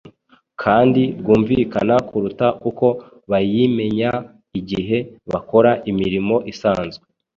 kandi bwumvikana kuruta uko bayimenya igihe bakora imirimo isanzwe